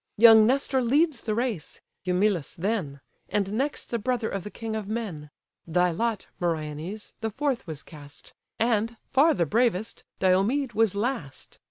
Young Nestor leads the race: Eumelus then; And next the brother of the king of men: Thy lot, Meriones, the fourth was cast; And, far the bravest, Diomed, was last.